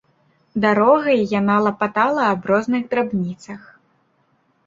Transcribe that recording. Дарогай яна лапатала аб розных драбніцах.